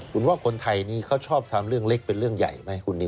คุณว่าคนไทยนี้เขาชอบทำเรื่องเล็กเป็นเรื่องใหญ่ไหมคุณนิว